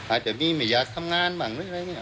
อาจจะมีไม่อยากทำงานบ้างอะไรอย่างนี้